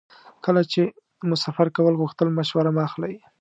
کله چې مو سفر کول غوښتل مشوره مه اخلئ.